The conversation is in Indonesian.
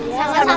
iya sama sama ibu